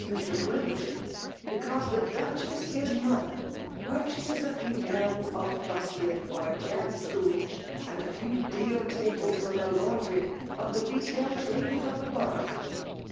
Mistress Wemmersley, because th^ Duchess^ his mother, purchases a few ^Us of fustian for her charityrschool, and a few deal* 118 PEHALB IX»IIMA(nOH. tables &r her laundry, of the retail traders of the borough!